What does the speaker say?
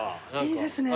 いいですね。